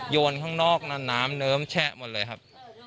โยนข้างนอกนั้นน้ำเนิ้มแชะหมดเลยครับ